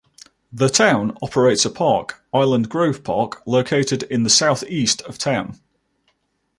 The town operates a park, Island Grove Park, located in the southeast of town.